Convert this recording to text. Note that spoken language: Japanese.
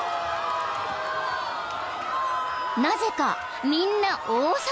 ［なぜかみんな大騒ぎ］